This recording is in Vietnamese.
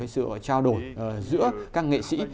sự trao đổi giữa các nghệ sĩ